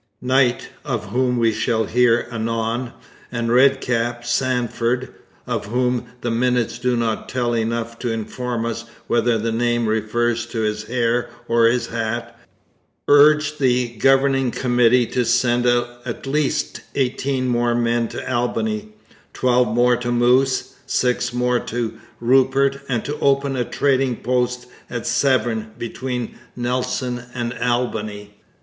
Knight, of whom we shall hear anon, and Red Cap Sandford, of whom the minutes do not tell enough to inform us whether the name refers to his hair or his hat, urged the Governing Committee to send at least eighteen more men to Albany, twelve more to Moose, six more to Rupert, and to open a trading post at Severn between Nelson and Albany.